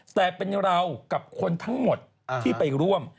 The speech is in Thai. แต่เป็นเรากับคนทั้งหมดที่ไปร่วม